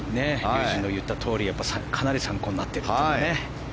竜二の言ったとおりかなり参考になってるというね。